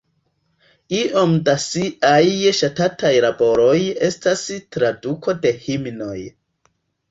Iom da siaj ŝatataj laboroj estas traduko de himnoj.